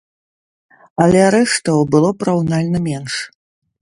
Але арыштаў было параўнальна менш.